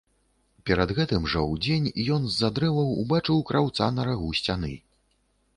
Перад гэтым жа, удзень, ён з-за дрэваў убачыў краўца на рагу сцяны.